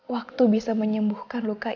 waktu bisa menyebabkan kamu menikah